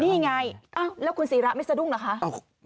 นี่ไงแล้วคุณศิระไม่สะดุ้งเหรอคะ